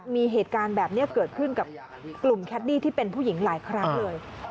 มีเหตุการณ์แบบนี้เกิดขึ้นกับกลุ่มแคดดี้ที่เป็นผู้หญิงหลายครั้งเลย